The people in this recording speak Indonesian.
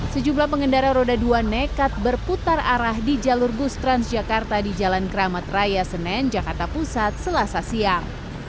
sejumlah pengendara roda dua nekat berputar arah di jalur bus transjakarta di jalan keramat raya senen jakarta pusat selasa siang